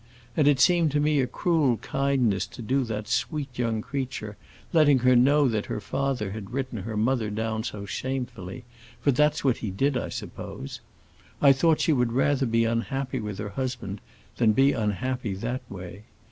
And it seemed to me a cruel kindness to do that sweet young creature, letting her know that her father had written her mother down so shamefully; for that's what he did, I suppose. I thought she would rather be unhappy with her husband than be unhappy that way.